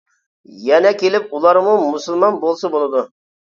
يەنە كېلىپ ئۇلارمۇ مۇسۇلمان بولسا بولىدۇ.